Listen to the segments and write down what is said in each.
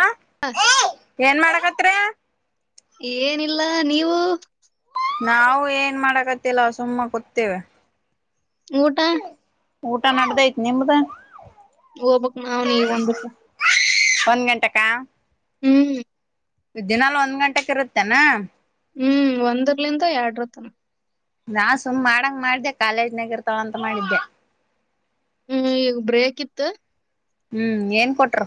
ಹಾ ಹಾ ಏನ್ ಮಾಡಕತ್ರ ಏನಿಲ್ಲ ನೀವು ನಾವು ಏನ್ ಮಾಡಕತ್ತಲ್ಲ ಸುಮ್ಮ ಕತ್ತೇವೆ ಊಟ ಊಟ ನಡ್ದಐ್ತ್ ನಿಮ್ದ ಹೋಗಬಕ್ ನಾವ್ ನೀಗ ಒಂದುಸ ಒಂದ್ ಗಂಟಕ್ಕ ಹ್ಮ್ ದಿನಲ್ ಒಂದ್ ಗಂಟೆಕ್ ಇರುತ್ತೇನಾ ಹ್ಮ್ ಒಂದರ್ಲಿಂದ ಎರಡರ ತನ ನಾನ್ ಸುಮ್ ಮಾಡಂಗ ಮಾಡ್ದೆ ಕಾಲೇಜನಗ ಇರ್ತಾವ ಅಂತ ಮಾಡಿದ್ದೆ. ಹ್ಮ್ ಈಗ ಬ್ರೇಕ ಇತ್ತು. ಹ್ಮ್ ಏನ್ ಕೊಟ್ರು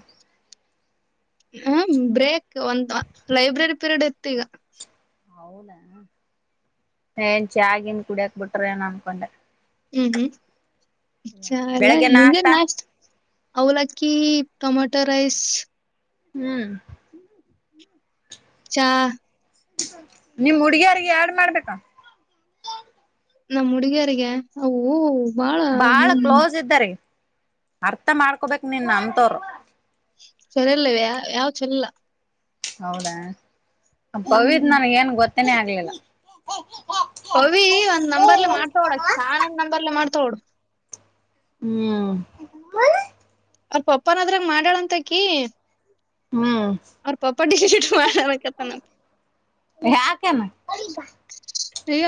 ಹ್ಮ ಬ್ರೇಕ್ ಒಂದು ಲೈಬ್ರರಿ ಪೀರಿಯಡ್ ಇತ್ತು ಈಗ. ಹೌದ ಏನ್ ಚ ಆಗಿನ್ ಕುಡಿಯಕ್ ಬಿಟ್ರ ಏನ ಅನ್ಕೊಂಡೆ. ಹ್ಮ್ ಹ್ಮ್ ಇ ಚಾ ಎಲ್ಲ ನಿಂಗೇನ್ ನಾಷ್ಟ ಅವಲಕ್ಕಿ. Tomato rice. ಹ್ಮ್ ಚಾ ನಿಮ್ ಹುಡ್ಗಿಯರಿಗೆ ಯಡ್ ಮಾಡ್ಬೇಕಾ. ನಮ್ಮ್ ಹುಡುಗಿಯರಿಗೆ ಅವು. ಬಾಳ ಕ್ಲೋಸ್ ಇದ್ದಾರೆ ಅರ್ಥ ಮಾಡ್ಕೊಬೇಕಕ್ ನಿನ್ ಅಂತವರು ಸರಿಲ್ಲ ಇವ್ ಯಾ ಯಾವ್ ಚೆಲ್ಲ. ಹೌದಾ ಪವಿದ್ ಹ್ಮ್ ನನ್ಗೆ ಏನ್ ಗೊ ತನ್ನೆ ಆಗ್ಲಿಲ್ಲ. ಪವಿ ಒಂದ್ ನಂಬರ್ಲೆ ಮಾಡ್ತಾವ್ಳೆ ಸಹಾನನ್ ನಂಬರ್ಲ್ಲ ಮಾಡ್ ತ್ತೋಡ್ ಹ್ಮ್ ಅವ್ರ ಪಪ್ಪಾನದ್ರಾಗ ಮಾಡಾಳಂತಕಿ. ಹ್ಮ್ ಅವ್ರ ಪಪ್ಪ ಡಿಲೀಟ್ ಮಾಡಣಕತ್ತನಂತ ಯಾಕನ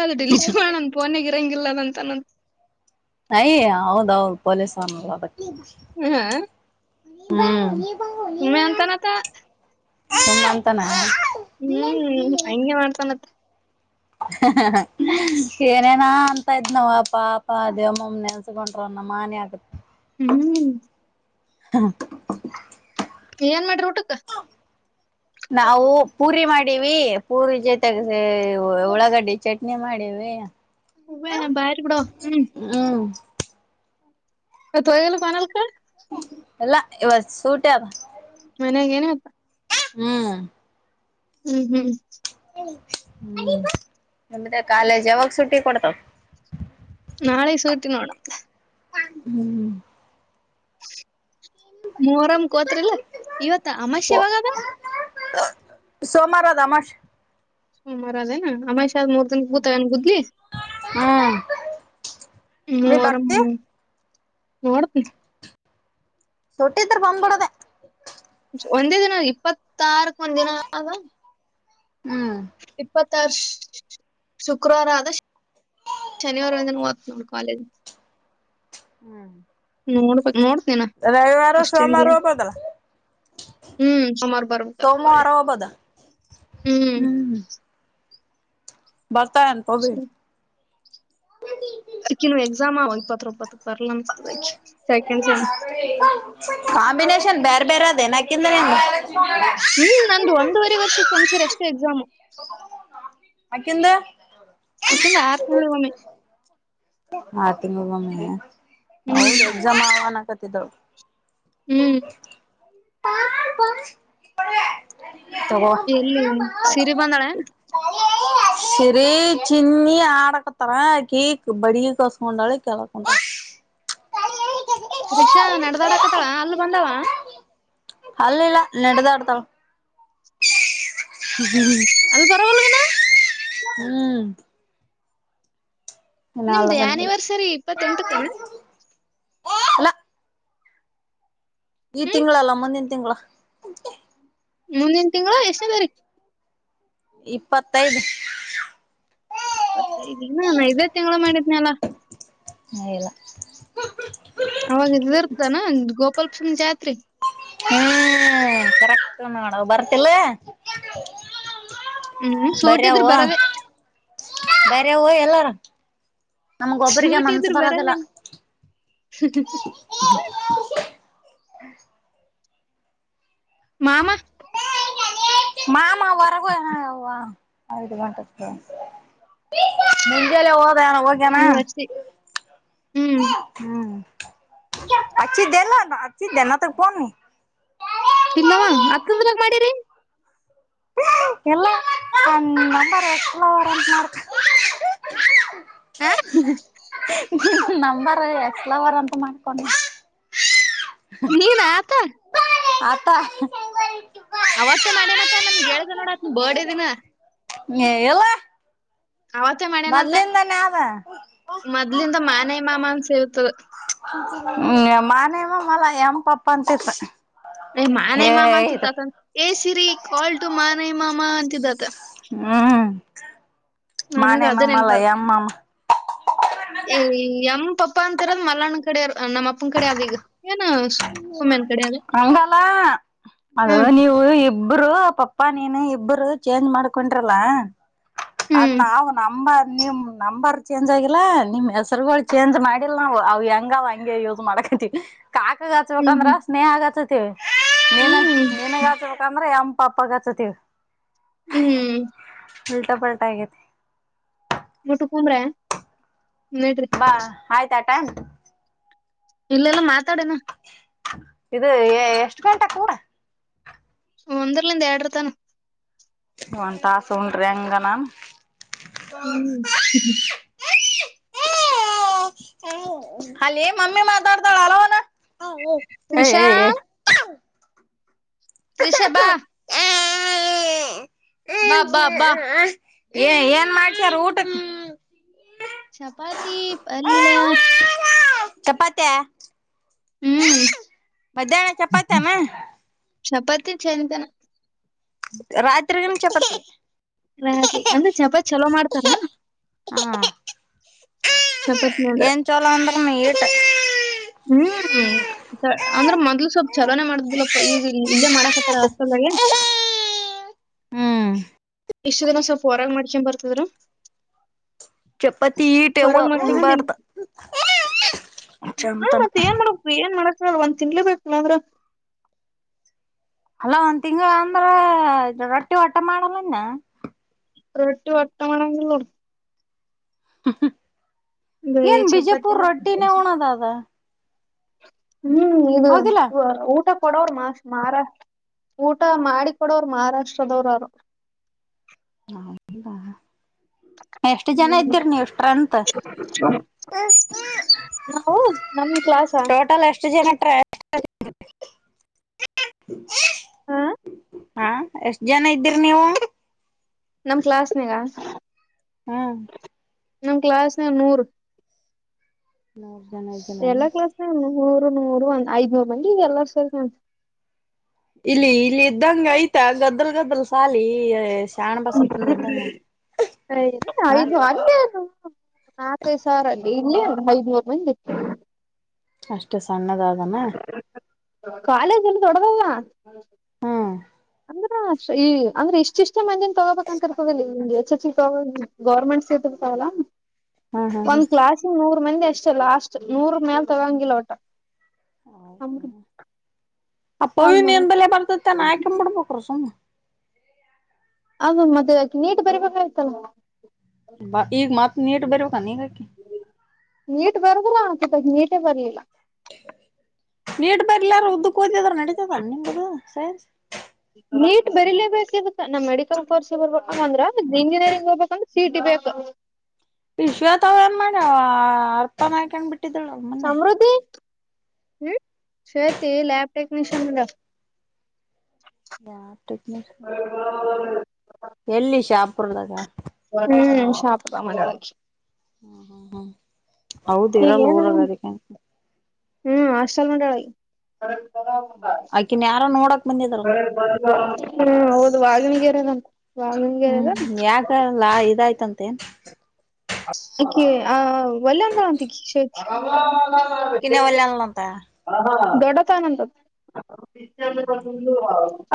ಅದು ಡಿಲೀಟ್ ಮಾಡ ನನ್ ಫೋನಗ್ ಇರಂಗಿಲ್ಲದಂತ. ತನ ತಾಯಿ ಹೌದೌದು ಪೊಲಿಸ್ [unintelligible] ಹ್ಮ್ ಹ್ಮ್ ಸುಮ್ ಅಂತಾನ. ಹ್ಮ್ ಹಂಗೆ ಮಾಡ್ತಾನತ. ಹ ಹ ಹ ಏನೇನಾ ಅಂತ ಇದ್ ನವ್ವ ಅಪ ದೇವಮ್ಮಮ್ಮ ನೆನ್ಸಕೊಂಡ್ರ ನಮ್ಮನೆ ಆಗತ್ ಹ್ಮ್ ಹ ಏನ್ ಮಾಡ್ರಿ ಊಟಕ್ಕ. ನಾವು ಪೂರಿ ಮಾಡೀವಿ ಪೂರಿ ಜೊತೆಗೆ ಉಳ್ಳಾಗಡ್ಡೆ ಚಟ್ನಿ ಮಾಡಿವಿ. ಹ ಬಾರಿ ಬಿಡವ್ವ ಹ್ಮ್ ಹ್ಮ್ ಇವತ್ತ್ ಹೋಯಿಲ್ಲ ಬಾನಲ್ಕ. ಎಲ್ಲ ಇವ ಸೂಟ ಮನ್ಯಾಗ ಏನ ಆಕ್ ಹ್ಮ್ ಹ್ಮ್ ಹ್ಮ್ ಹ್ಮ ನಿಮ್ದೆ ಕಾಲೇಜ್ ಯಾವಾಗ ಸುಟ್ಟಿ ಕೊಡ್ತಾವ. ನಾಳೆ ಸೂಟಿ ನೋಡಕ್ಕ. ಹ್ಮ್ ಹ ಮರಮ ಕೋತ್ರಿಿಲ್ಲ ಇವತ್ತ ಅಮಾಶೆ ಯಾವಾಗದ ಸೋಮಾರ ತಮಾಷ ಹ ಮರ ಅದ ಅಮ ಸ ಮದ ಗೂತಗಾನ ಬುದ್ಲಿ ಹ್ಮ್ ನೀ ಮೂರ ಬರ್ತಿ ನೋಡ್ತಿ ಸುಟ್ಟತ್ರ ಬಂದ್ಬಿಡೋದೆ ಒಂದೇ ದಿನ ಇಪ್ಪತ್ತಾರಕ್ ಒಂದ್ ದಿನ ಆ ಹ್ಮ್ ಇಪ್ಪತ್ ತರ್ ಶುಕ್ರವಾರ ಆದ ಶನಿವಾರಿಂದ ವರ್ಕ್ ಮಾಡ ಕಾಲೇಜ್ ಹ್ಮ್ ಮೋ ಮೋ ರವಿಿವಾರ ಸೋಮವಾರ ಬದಾ ಹ್ಮ್ ಸೋಮಾರ ಬರ್ಬೇಕತ್ ಒಳ್ಳೆ ಸೋಮವಾರ ಬದಾ ಹ್ಮ್ ಬರ್ತಾ ಹನು ಪವಿ ಹ ಅಕ್ಕಿನು ಎಕ್ಸಾಮ ಒಂದ್ ಪತ್ರೊಪ್ಪತ್ತು [unintelligible] ಕಾಂಬಿನೇಷನ್ ಬ್ಯಾ ಬೇರೆ ಅದೇ ನಾಕಂದ್ರೇನು ಹ್ಮ್ ನಂದ್ ಒಂದೂವರೆ ವರ್ಷಕ್ ಒಂದ್ಸರಿ ಅಷ್ಟೇ ಎಕ್ಸಾಮು. ಅಕಿಂದು ಅಕಿಂದ ಆರ್ ತಿಂಗಳಿಗೊಮ್ಮೆ. ಆರ್ ತಿಂಗಳ್ ಗೊಮ್ಮೆ ಹೌದ್ ಹ್ಮ್ ಎಕ್ಸಾಮ್ ಅವ್ ಅನ್ನಕ್ಕತ್ ತಿದ್ಳು ಹ್ಮ್ [unintelligible] ಪ ಪಾರೆ ಎಲ್ಲಿ ಸಿರೆ ಬಂದಾಳೆ ಸರಿ ಚಿನ್ನಿ ಆಡಕತರ ಕೇಕ್ ಬಡಗಿ ತಾಗುಸ್ಕೊಂಡಾಳೆ ಕೆಳಕೊಂತಾಳ್. ತ್ರಿಷಾ ನಡದಾಡ ಕತಳ ಅಲ್ಲ ಬಂದಾವ ಹಲ್ಲಿಲ್ಲ ನೆಡದಾಡ್ತಾಳ. ಅಲ್ ಬರೋವಲ್ಇನ್ನ ಹ್ಮ್ ಇನ್ನ ಅಲ್ಲ ನಿಮ್ದು ಬಂದಿಲ್ಲ ಆನಿವರ್ಸರಿ ಇಪ್ಪತ್ತೆಂಟಕನ ಇಲಾ ಈ ಹ್ಮ್ ತಿಂಗಳಲ್ಲ ಮುಂದಿನ ತಿಂಗಳ ಮುಂದಿನ ತಿಂಗಳು ಎಷ್ಟನೇ ತಾರೀಕ್ ಇಪ್ಪತ್ತೈದ ಇಪ್ಪತ್ತೈದೇನ ಇನ್ನ ನ ಇದೇ ತಿಂಗಳ ಮಾಡಿದ್ನಲ್ಲ. ಹೇ ಇಲ್ಲಾ ಅವಾಗ ಇದ ಇರ್ತಾನ ಗೋಪಾಲಸ್ವಮಿ ಜಾತ್ರಿ ಹ್ಮ್ ಕರೆಕ್ಟ್ ನೋಡವ ಬರ್ತಿಲ್ಲ ಹ್ಮ್ ಸೂಟಿದ್ರು ಬರೊದೇ ಎ ವೊ ಎಲ್ಲಾರ ನಮ್ಗೊಬ್ಬ್ರಿಗೆ ಮನ್ಸ್ ಬರೋದಿಲ್ಲ. ಹಹಹ್ ಮಾಮ [unintelligible] [unintelligible] ಮುಂಜೆಲ್ಲೆ ಹೋಗ ಹೋಗ್ಯನಾ ನೀವ್ ಅಷ್ಟೇ ಹ್ಮ್ ಹ್ಮ್ ಅಚಿದೇಲ್ಲ ಅಚ ದೆನ ಅದಕ್ಕ ಫೋನ್ ಇಲ್ಲವಾ ಹತ್ತೊಂದ್ರಾಗ ಮಾಡಿರಿ ಎಲ್ಲ ಒನ್ ನಂಬರ್ ಎಕ್ಸ್ಟ್ರಾ ಅವರ್ ಅಂತ ಮಾಡ್ ಆ [inaudible] [unintelligible] ನಂಬರ ಎಕ್ಸ್ ಲವರ್ ಅಂತ ಮಾಡ್ತಾನ್ ನೀನ್ ಆತ ಆತ ಅವತ್ತೇ ಮಾಡ್ಯನತ್ತ ನನ್ಗೆ ಹೇಳ್ದ ನೋಡ ಅತ್ ಬರ್ಡ ದಿನ ಹ್ಮ ಎವ್ವಾ ಅವತ್ತೇ ಮಾಡಾನಂತ ಮೊದ್ಲಿಂದ ಮಾನೆಯ ಮಾಮ ಸೇವ್ ಇತ್ತದು ಹ್ಮ್ ಮಾನೆವ ಮಲ್ಲ ಎಮ ಪಪ ಅಂತಿಂತ ಏ ಮಾನೆ ಮಾಮ ಅಂತಿತ್ತು ಏ ಸಿರಿ ಕಾಲ್ಟು ಮಾನೆ ಮಾಮ ಮ್ಮಾ ಅಂತಿದ ಅತ್ತ ಹ್ಮ್ ನನಗ ಮಾನೆೇ ಅದ ಮಾಮ ನೆನಪ ಅಲ್ಲಾ ಎಮ್ ಮಾಮಾ ಏ ಎಮ್ ಪಪ್ಪ ಅಂತಿರದ್ ಮಲ್ಲಾಣ್ಣ ಕಡೆ ನಮ್ಮ ಅಪ್ಪನ ಕಡೆ ಅದೀಗ ಹಂಗೆಲ್ಲಾ ಅದು ಹ್ಮ್ ನೀವು ಇಬ್ಬರು ಪಪ್ಪಾ ನೀನು ಇಬ್ಬರು ಚೇಂಜ್ ಮಾಡ್ಕೊಂಡ್ರಲ್ಲಾ ಅದ್ ಹ್ಮ್ ನಾವು ನಮ್ಮ ನಿಮ್ ನಂಬರ್ ಚೇಂಜ್ ಆಗಿಲ್ಲಾ ನಿಮ್ ಹೆಸರಗಳು ಚೇಂಜ್ ಮಾಡಿಲ್ ನಾವು ಅವ್ ಹೆಂಗ ಅವ್ ಹಂಗೆ ಯೂಸ್ ಮಾಡಕತಿವಿ. ಕಾಕ ಹ್ಮ್ ಹಚ್ಬೇಕಂದ್ರ ಹ್ಮ್ ಸ್ನೇಹಗ ಹಚ್ಚ ತ್ತೆ ನೀನು ನೀನ್ಗ ಹಾಚ್ಬೇಕಂದ್ರೆ [unintelligible] ಪಾಪಾಗಚತತಿ ಹ್ಮ್ [unintelligible] [unintelligible] [unintelligible] ಬಾ ಆಯಿತ್ ಆಯಿತ್ ಬಾ ಇಲ್ಲೆಲ್ಲಾ ಮಾತಾಡೋನಾ ಇದು ಎಷ್ಟು ಗಂಟೆ ಕೂಡ ಒಂದರ್ಲಿಂದ ಎರಡಿರ್ ತಾನ ಒನ್ ತಾಸ ಉಂಡ್ರಿ ಹಂಗ್ನ ಹ್ಮ್ [unintelligible] ಮಾತಾಡ್ತಾಳೆ ಹಲೋ ಅನ್ನು ತ್ರಿಷಾ. ತ್ರಿಷ ಬಾ ಬಾ ಬಾ ಬಾ ಏ ಏನ್ ಮಾಡ್ಸಾರ ಊಟಕ್ಕೆ. ಚಪಾತಿ ಪಲ್ಯ. ಚಪ್ಪಾತಿಯ ಹ್ಮ್ ಬಧಾನ ಚಪಾತಿ ಏನ್ ಚಪಾತಿ ಚೆಂತನ ರಾತ್ರಿನು ಚಪಾತಿ. [unintelligible] ಚಪಾತ್ ಚಲೋ ಮಾಡ್ತಾರ ಹಾಂ ಚಪಾತಿ ಅಂದ್ರೆ [unintelligible] ಹ್ಮ್ ಅಂದ್ರೆ ಮೊದ್ಲು ಸ್ವಲ್ಪ್ ಚಲೋನೆ ಮಾಡದಿಲ್ಲಪ್ಪ ಈಗ ಇದೇ ಮಾಡಕತ್ತಾರ ಹಾಸ್ಟೆಲ್ನಲಿ ಹಾಂ ಇಷ್ಟು ದಿನ ಸ್ವಲ್ಪ ಹೊರಾಗ ಮಾಡ್ಕೊಂಡು ಬರ್ತಿದ್ರು. ಚಪಾತಿ ಹೀಟ್ಯಾವ ಹೊರಗ್ ಮಾಡ್ಕೊಂಡ್ ಬಂದ್ ಉಣಬಾರ್ದ ಚಂತನ ಹ್ಮ್ ಒಂದ್ ತಿಂಗ್ಳು [unintelligible] ಅಲ ಒಂದ್ ತಿಂಗಳು ಅಂದ್ರ ರೊಟ್ಟಿ ಆಟ ಮಾಡಲೆನ್ ರೊಟ್ಟಿ [unintelligible] ಹ ಹಾ ಬರೇ ಏನ್ ಬಿಜೆಪುರ್ ಚಪಾತಿನ ರೊಟ್ಟಿನ ಹಣದಾಗ. ಹ್ಮ್ ಇದು ಹೌದಿಲ್ಲ ಊಟ. ಕೊಡೋರು ಮಹ ಮಹಾರಾಷ್ಟ ಊಟ ಮಾಡಿ ಕೊಡೋರು ಮಹಾರಾಷ್ಟ್ರದವ್ರು ಎಷ್ಟು ಜನ ಹ್ಮ್ ಇದ್ದೀರಿ ನೀವು ಸ್ಟ್ರೆಂಗ್ತ್ ನಾವು ನಮ್ ಕ್ಲಾಸ್ ಟೋಟಲ್ ಎಷ್ಟ ಜನ ಟ್ರಾವೆಲ್ ಹಾ ಹಾ ಎಷ್ಟ ಜನ ಇದ್ದೀರಿ ನೀವು ನಮ ಕ್ಲಾಸ್ನಗ ಹ್ಮ ನಮ್ಮ ಕ್ಾಸ್ ನೂರು ನ ಎಲ್ಲಾ ಕ್ಲಾಸ್ ನೆಲೆ ಮೂರು ನೂರು ಒಂದ್ ಐದ್ನೂರು ಮಂದಿ ಈಗ ಎಲ್ಲಾರ ಸೇರ್ಂತೆ ಇಲ್ಲಿ ಇಲ್ಲಿ ಇದ್ದಂಗ ಆಯ್ತಾ ಗದ್ದಲ್ ಗದ್ದಲ್ ಸಾಲಿ ಶಾಣ ಬಸಪ್ಪಂದ ಇದ್ದಂಗ ಹ ಐದು ಅ ನಾಕೈದು ಸಾವಿರ ಅಲ್ಲಿ ಇಲ್ಲಿೇ ಒ ಐದನೂರು ಮಂದತ್ತು ಅಷ್ಟ ಸಣ್ಣದಾದಮ್ಮ ಕಾಲೇಜ್ ಎಲ್ಲ ದೊಡ್ಡಲ ಹ್ಮ್ ಅಂದ್ರ ಈ ಅಂದ್ರೆ ಇಷ್ಟ ಇಷ್ಟೇ ಮಂದಜನ್ ತಗೋಬೇಕಂತರ್ತದಿಲ್ಲಂಗ್ ಎಚ್ ಎಚ್ ತಗೋ ಗರ್ಮೆಂಟ್ ಸೇತರ್ತಲ್ಲ ಹ್ಮ್ ಹ್ಮ್ ಹ್ಮ್ ಒಂದ್ ಕ್ಲಾಸ್ ಇ ಮಂದಿ ಅಷ್ಟೇ ಲಾಸ್ಟ್ ನೂರು ಮೇಲ್ ತೊಗೋಂಗಿಲ್ಲ ವಟ್ಟ ಹೌದಾ ಅಪ್ಪವ ಕಾಲ್ ಮಾಡ ನೀನ್ ಬಲೆ ಬರ್ತತೆ ಅಾನಾ ಹಾಕೊಂಡಂಬ ಬಿಡ್ಬೇಕ್ರ ಸುಮ್ಮ್ ಆ ಮದ ನೀಟ್ ಬರಿಬೇಕ ಇತಲ್ಲ ಬ ಈಗ ಮತ್ ನೀಟ್ ಬರ್ಬೇಕ ನೀಗಾಕಿ ನೀಟ್ ಬರ್ದ್ರ ಆತದ ನೀಟೇ ಬರ್ಲಿಲ್ಲ ನೀಟ್ ಬರ್ಲಾರ ಉದ್ದಕ್ಕೆ ಓದಿದ್ರರು ನಡೀತದನ್ ನಿಮಗದು ಸರಿ ನೀಟ್ ಬರೀಲೇಬೇಕೇಕಿಗತ್ತ ನಮ್ ಮೆಡಿಕಲ್ ಕೋರ್ಸ್ ಬರ್ಬೇಕಂದ್ರ ಇಂಜಿನಿಯರಿಂಗ್ ಹೋಗಬೇಕಂದ್ರೆ ಸಿಟಿ ಬೇಕ ವಿಶ್ವಥ ಅವ್ ಏನ್ ಮಾಡ್ಯವ ಅರ್ಥನ ಆ್ಕೊಂಡ್ ಬಿಿಟ್ಟ ಕಟ್ಟಿದಳ ಮನ್ನೆ ಸಮೃದ್ಧಿ ಹ್ಮ್ ಶತಿ ಲಬಟೆಕ್ನಿಶಿಯನ್ ಮಡ ಯಾರ ಟೆಕ್ನಾಲಜಿ ಎಲ್ಲಿ ಶಾಪ್ ಪುರದಾಗ ಹ್ಮ್ ಶಹಾಪುರ ದಲ್ಲಿ ಮಾಡಲಾಗಿ ಹ್ಮ ಹ್ಮ ಹ್ಮ್ ಹೌದ್ ಈಗ ಇರಲ್ಲ ಏನು ಊರಗ ಅದಕ್ಕೆ ಹ್ಮ್ ಆಷ್ಟಲ್ ಮಂಡಳಿ ಆ್ಕಿನ್ ಯಾರ ನೋಡಕ್ ಬಂದಿದಾರಲ್ಲ [unintelligible] ಹ ಹೌದು ಈಗ ಏರ್ ಹ್ಮ್ ಯಾಾಗಲ್ಲಾ ಇದಾಯ್ತಂತ ತ್ತ ಆ ಒಳ್ಳಂದಂತ [unintelligible] ಕನ್ನೇ ವನಲ್ಲೊಂತ ದೊಡ್ಡತ್ ಆನಂದದ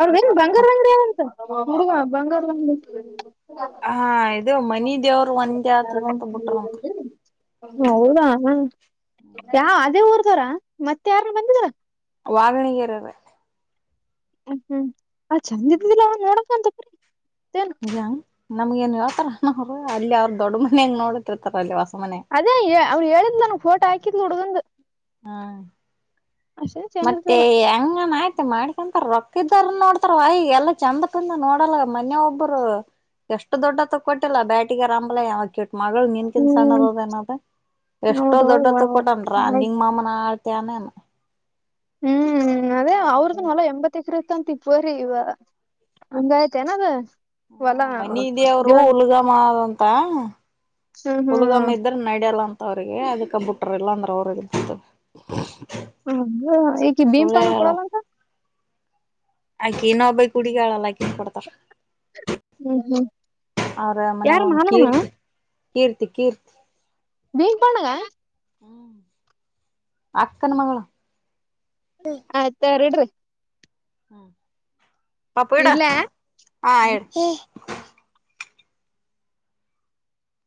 ಅವ್ರಂಗ ಬಂಗಾರ ಅಂಗಡಿ ಅದಾಂತ್ ಹುವ ಬಂಗಾರ ಹಾ ಇದು ಮನಿ ದೇವರು ಒಂದ ಹ [unintelligible] ಹೌದಾ ಯಾ ಅದೇ ಊರು ರ ಮತ್ತೆ ಯಾರು ಬಂದರ ವಾವಣಗೆರೆ್ರೇ ಹ್ಮ ಹ್ಮ್ ಆ ಚಂದ ಇದ್ಮಿಿಲ್ಲ ನೋಡ ಂತ ಯ ನಮ್ಗೇನ್ ಹೇಳತಾರ ಏನ್ ಅವರು ಅಲ್ಲಿ ಅವ್ರ ದೊಡ್ಡ ಮನೆಯಂಗ ನೋಡತಿರ್ತಾರ ಅಲ್ಲಿ ಮನೆ ಅದೇ ಅವ್ರು ಹೇಳಿದ್ ನನ್ಗೆ ಫೋಟೋ ಹಾಕಿದ ಹುಡುಗಂದು ಹ್ಮ ಚೇಂಜ್ ಮತ್ತೆ ಇರ್ಲಿಲ್ಲ ಹಂಗನ್ ಆಯ್ತ ಮಾಡ್ಕೊಂತ ರೊಕ್ಕ ಇದ್ದಾರನ ನೋಡ್ತಾರ ಅವ ಈಗ ಎಲ್ಲ ಚಂದ ಪಂದ ನೋಡಲ್ಲ ಮನ್ನೇ ಯ ಒಬ್ಬರು ಎಷ್ಟು ದೊಡ್ಡತಗ ಕೊಟ್ಟಿಲ್ಲ ಬ್ಯಾಟಿಗೆ ಆರಂಬಲ್ಲ ಯಾವ ಮಗಳು ನೀನ್ಕಿನ್ ಹ್ಮ್ ಸಣ್ಣದದಏನದ ಎಷ್ಟೋ ಹೌದ ದೊಡ್ಡತ್ತು ಕೊಟನ್ರ ನಿಂಗ ಮಾಮನ ಆ ಏನೇನ ಹ್ಮ್ ಅದೇ ಅವ್ರ್ದು ಹೊಲಾ ಎಂಬತ್ತ ಎಕರೆ ಅಂತ ಆಯ್ತು ಪೋರಿ ಇವಗ್ ಹಂಗಯ್ತೆನಇವಾಗ ಹ ಮನಿ ದೇವರು ಹುಲ್ಗಮ್ಮಂತ ಂತ ಹ್ಮ್ ಹ್ಮ್ ಹುಲ್ಗಮ್ಮ ಇದ್ರ ನಡ್ಯಲ್ಲ ಅಂತ ಅವ್ರಿಗೆ ಅದಕ್ ಕಂಪ್ಯೂಟರ್ ಎಲ್ಲ ಅಂದ್ರೆ ಅವರು ಎಲ್ಲ ಬರ್ತದ್ರ ಹೊಗ ಈಕಿ ದೀಪನು ಕೊಡಲ್ಲಂತ ಹಾಗೆ ಇನೊಬ್ಬಕ್ಕಿ ಹುಡಿಗಿಳಲ ಅಕಿ ಬರ್ ಹ್ಮ್ ಹ್ಮ್ ಯಾರ ಮನ್ಯಾಗ ಒಂದ್ ಮಾಲ ನಾ ಕೀರ್ತಿ ಕೀರ್ತಿ ಕೀರ್ತಿ ಬೀಮಪಣಂಗ ಹ್ಮ್ ಅಕ್ಕನ್ ಮಗಳು ಆಯ್ತಾರೀ ಇಡ್ರಿ ಹ್ಮ್ ಪಾಪು ಇಡ ಇಡ್ಲ ಹಾ ಇಡ್